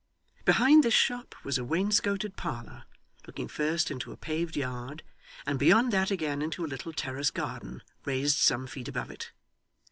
Behind this shop was a wainscoted parlour, looking first into a paved yard, and beyond that again into a little terrace garden, raised some feet above it.